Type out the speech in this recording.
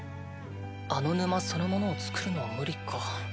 あの沼そのものを作るのは無理か。